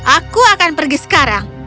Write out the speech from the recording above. aku akan pergi sekarang